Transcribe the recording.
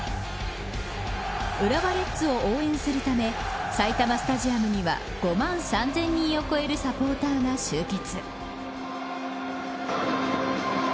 浦和レッズを応援するため埼玉スタジアムには５万３０００人を超えるサポーターが集結。